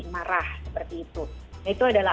marah seperti itu itu adalah